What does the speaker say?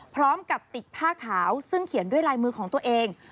พร้อมกับติดผ้าขาวซึ่งเขียนด้วยลายมือของตัวเอง